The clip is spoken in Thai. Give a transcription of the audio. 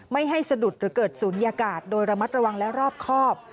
ไม่ให้สะดุดหรือเกิดศูนยากาศโดยระมัดระวังและรอบครอบ